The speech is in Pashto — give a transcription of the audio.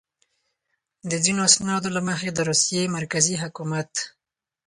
د ځینو اسنادو له مخې د روسیې مرکزي حکومت.